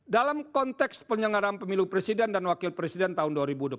dalam konteks penyelenggaraan pemilu presiden dan wakil presiden tahun dua ribu dua puluh